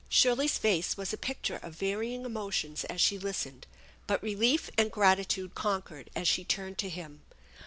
Shirley's face was a picture of varying emotions as she listened, but relief and gratitude conquered as she turned to him.